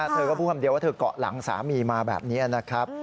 เธอก็พูดคำเดียวว่าเธอเกาะหลังสามีมาแบบนี้นะครับ